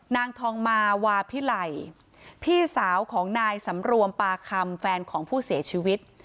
นางทองมาวาพิไลพี่สาวของนายสำรวมปาคำแฟนของผู้เสียชีวิต